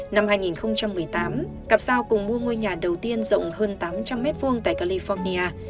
năm hai nghìn một mươi tám cặp sao cùng mua ngôi nhà đầu tiên rộng hơn tám trăm linh m hai tại california